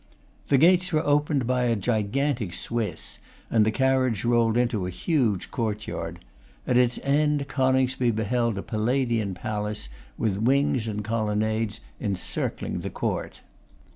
The gates were opened by a gigantic Swiss, and the carriage rolled into a huge court yard. At its end Coningsby beheld a Palladian palace, with wings and colonnades encircling the court.